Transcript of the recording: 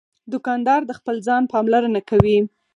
دوکاندار د خپل ځان پاملرنه کوي.